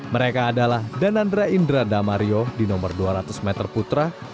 mereka adalah danandra indra damario di nomor dua ratus meter putra